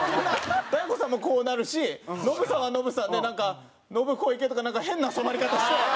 大悟さんもこうなるしノブさんはノブさんでなんかノブ小池とかなんか変な染まり方して。